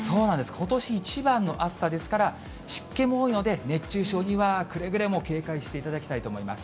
ことし一番の暑さですから、湿気も多いので熱中症にはくれぐれも警戒していただきたいと思います。